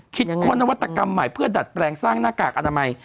ค้นนวัตกรรมใหม่เพื่อดัดแปลงสร้างหน้ากากอนามัย